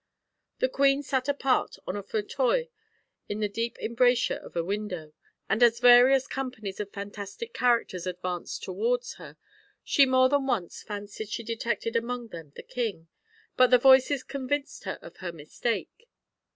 The queen sat apart on a fauteuil in the deep embrasure of a window; and as various companies of fantastic characters advanced towards her, she more than once fancied she detected amongst them the king, but the voices convinced her of her mistake.